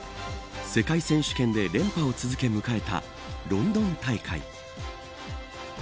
世界選手権で連覇を続け迎えた、ロンドン大会。